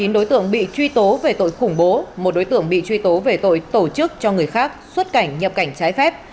chín đối tượng bị truy tố về tội khủng bố một đối tượng bị truy tố về tội tổ chức cho người khác xuất cảnh nhập cảnh trái phép